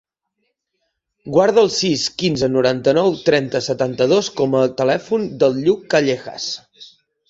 Guarda el sis, quinze, noranta-nou, trenta, setanta-dos com a telèfon del Lluc Callejas.